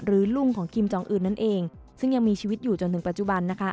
ลุงของคิมจองอื่นนั่นเองซึ่งยังมีชีวิตอยู่จนถึงปัจจุบันนะคะ